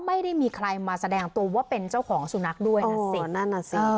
ไม่ได้มีใครมาแสดงตัวว่าเป็นเจ้าของสุนัขด้วยนะสินั่นน่ะสิ